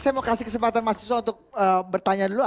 saya mau kasih kesempatan mas yusof untuk bertanya dulu